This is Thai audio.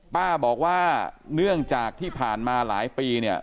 ป้าบอกว่าเนื่องจากที่ผ่านมาหลายปีเนี่ย